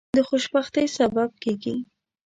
د خوشبختی سبب کیږي.